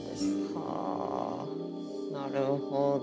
はあなるほど。